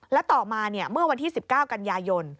และต่อมาเมื่อวันที่๑๙กันยายน